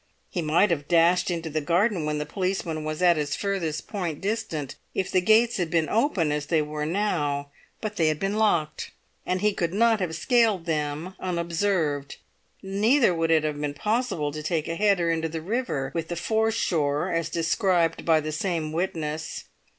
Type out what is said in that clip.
He might have dashed into the garden, when the policeman was at his furthest point distant, if the gates had been open as they were now; but they had been locked, and he could not have scaled them unobserved. Neither would it have been possible to take a header into the river with the foreshore as described by the same witness.